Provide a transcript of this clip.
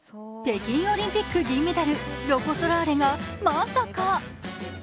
北京オリンピック銀メダルロコ・ソラーレがまさか。